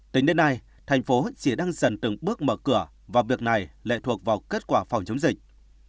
tính đến nay tp hcm chỉ đang dần từng bước mở cửa và việc này lệ thuộc vào kết quả phòng chống dịch